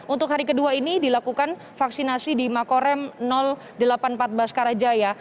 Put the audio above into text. untuk hari kedua ini dilakukan vaksinasi di makorem delapan puluh empat baskarajaya